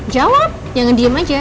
jawab jangan diem aja